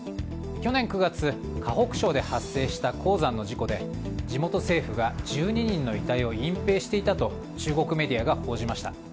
去年９月河北省で発生した鉱山の事故で地元政府が１２人の遺体を隠ぺいしていたと中国メディアが報じました。